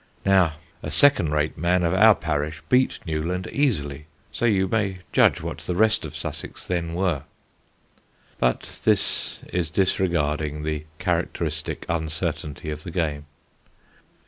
Now a second rate man of our parish beat Newland easily; so you may judge what the rest of Sussex then were." But this is disregarding the characteristic uncertainty of the game.